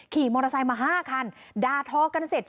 ขี่มอเตอร์ไซค์มา๕คันด่าทอกันเสร็จ